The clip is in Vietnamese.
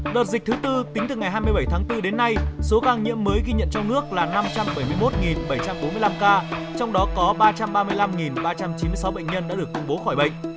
đợt dịch thứ tư tính từ ngày hai mươi bảy tháng bốn đến nay số ca nhiễm mới ghi nhận trong nước là năm trăm bảy mươi một bảy trăm bốn mươi năm ca trong đó có ba trăm ba mươi năm ba trăm chín mươi sáu bệnh nhân đã được công bố khỏi bệnh